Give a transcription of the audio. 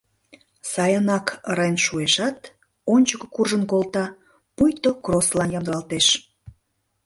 Сайынак ырен шуэшат, ончыко куржын колта, пуйто кросслан ямдылалтеш.